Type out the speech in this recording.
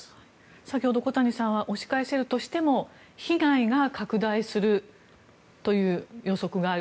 先ほど小谷さんは押し返せるとしても被害が拡大するという予測がある。